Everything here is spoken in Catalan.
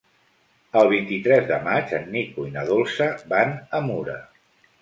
El vint-i-tres de maig en Nico i na Dolça van a Mura.